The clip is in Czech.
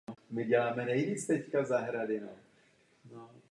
Chce někdo vystoupit proti této žádosti?